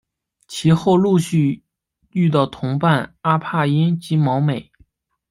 其后陆续遇到同伴阿帕因及毛美。